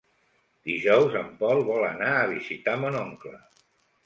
Dijous en Pol vol anar a visitar mon oncle.